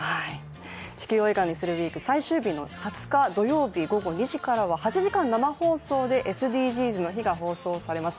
「地球を笑顔にするＷＥＥＫ」最終日の２０日土曜日、午後２時からは８時間生放送で「ＳＤＧｓの日」が放送されます。